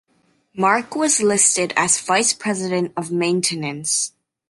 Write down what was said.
Mark was listed as vice president of maintenance.